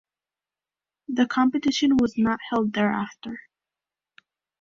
The competition was not held thereafter.